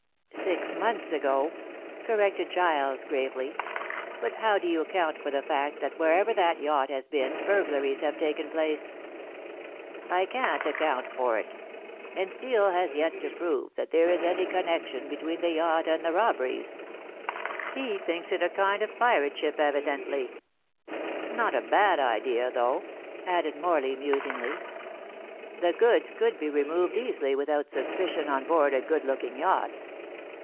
"Six months ago," corrected Giles gravely; "but how do you account for the fact that wherever that yacht has been burglaries have taken place?" "I can't account for it, and Steel has yet to prove that there is any connection between the yacht and the robberies. He thinks it a kind of pirate ship evidently. Not a bad idea, though," added Morley musingly; "the goods could be removed easily without suspicion on board a good looking yacht."